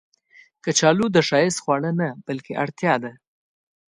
کچالو د ښایست خواړه نه، بلکې اړتیا ده